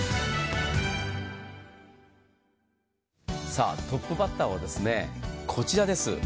さあ、トップバッターはこちらです。